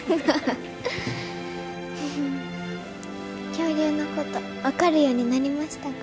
恐竜のこと分かるようになりましたか？